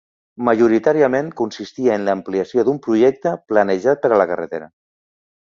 Majoritàriament consistia en l'ampliació d'un projecte planejat per a la carretera.